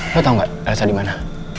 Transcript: lo tau gak elsa dimana